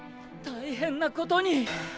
大変なことに。